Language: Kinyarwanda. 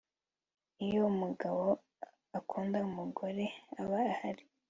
iyo umugabo akunda umugore aba ahari